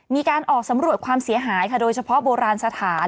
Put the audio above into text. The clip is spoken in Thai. มีการออกสำรวจความเสียหายค่ะโดยเฉพาะโบราณสถาน